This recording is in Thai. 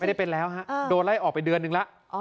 ได้เป็นแล้วฮะโดนไล่ออกไปเดือนนึงแล้ว